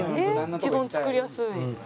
一番作りやすい。